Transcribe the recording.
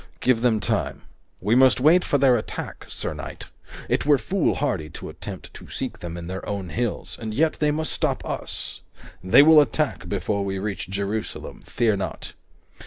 "Give them time. We must wait for their attack, sir knight. It were foolhardy to attempt to seek them in their own hills, and yet they must stop us. They will attack before we reach Jerusalem, fear not."